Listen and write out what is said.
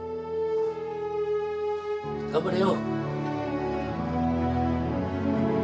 頑張れよ。